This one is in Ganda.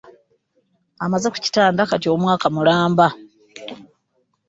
Amaze ku kitanda kati omwaka mulamba.